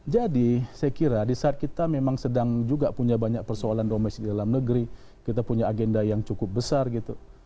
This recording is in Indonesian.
jadi saya kira di saat kita memang sedang juga punya banyak persoalan domes di dalam negeri kita punya agenda yang cukup besar gitu